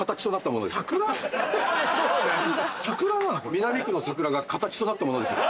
南区の桜が形となったものです。